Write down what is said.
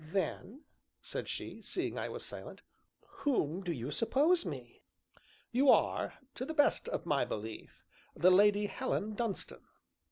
"Then," said she, seeing I was silent, "whom do you suppose me?" "You are, to the best of my belief, the Lady Helen Dunstan."